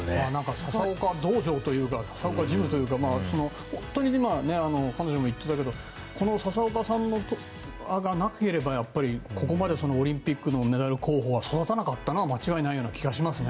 笹岡道場というか笹岡ジムというか彼女も言ってたけど笹岡さんがいなければやっぱり、ここまでオリンピックのメダル候補には育たなかったのは間違いないような気がしますね。